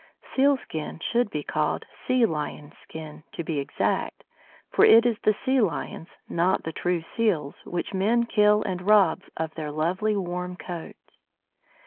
"Sealskin" should be called "Sea lion skin," to be exact; for it is the Sea lions, not the true Seals, which men kill and rob of their lovely warm coats.